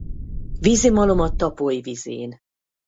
Vizimalom a Tapoly vizén.